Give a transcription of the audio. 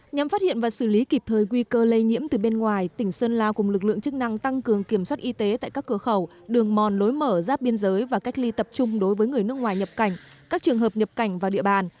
nhằm phát hiện và xử lý kịp thời nguy cơ lây nhiễm từ bên ngoài tỉnh sơn la cùng lực lượng chức năng tăng cường kiểm soát y tế tại các cửa khẩu đường mòn lối mở giáp biên giới và cách ly tập trung đối với người nước ngoài nhập cảnh các trường hợp nhập cảnh vào địa bàn